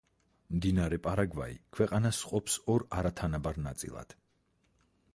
მდინარე პარაგვაი ქვეყანას ყოფს ორ არათანაბარ ნაწილად.